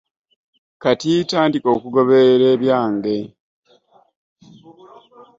Kati tandika kugoberera byange.